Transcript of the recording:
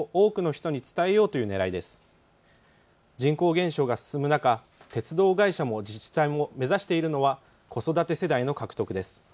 人口減少が進む中、鉄道会社も自治体も目指しているのは子育て世代の獲得です。